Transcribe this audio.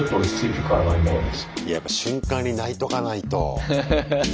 やっぱ瞬間に泣いとかないと。